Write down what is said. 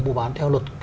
mua bán theo luật